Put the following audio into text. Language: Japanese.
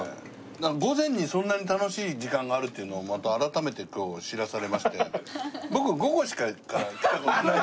午前にそんなに楽しい時間があるっていうのをまた改めて今日知らされまして。